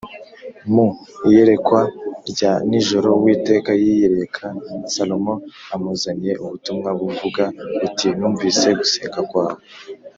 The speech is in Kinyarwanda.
mu iyerekwa rya nijoro uwiteka yiyereka salomo amuzaniye ubutumwa buvuga buti: “numvise gusenga kwawe;